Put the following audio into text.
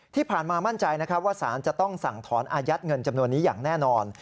ที่ผ่านมามั่นใจนะครับว่าสารจะต้องสั่งถอนอายัดเงินจำนวนนี้อย่างแน่นอน